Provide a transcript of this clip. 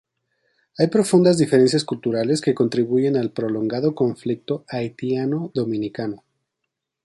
Hay profundas diferencias culturales que contribuyen al prolongado conflicto haitiano-dominicano.